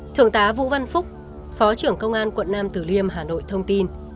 thượng tá vũ văn phúc phó trưởng công an quận nam tử liêm hà nội thông tin